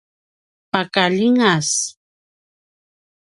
paka ljingas